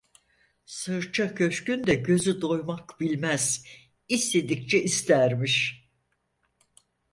Sırça köşkün de gözü doymak bilmez, istedikçe istermiş.